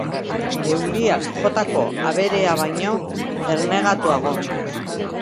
Euliak jotako aberea baino ernegatuago.